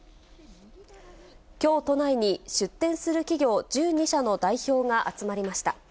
きょう都内に出展する企業１２社の代表が集まりました。